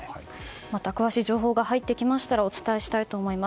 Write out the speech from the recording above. また詳しい情報が入ってきたらお伝えしたいと思います。